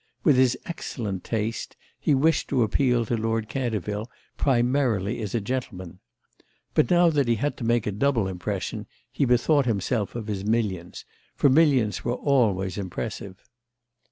With his excellent taste he wished to appeal to Lord Canterville primarily as a gentleman. But now that he had to make a double impression he bethought himself of his millions, for millions were always impressive.